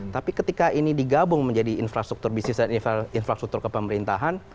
tapi ketika ini digabung menjadi infrastruktur bisnis dan infrastruktur kepemerintahan